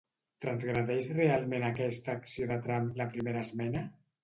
Transgredeix realment aquesta acció de Trump la primera esmena?